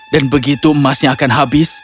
dan begitu emasnya akan habis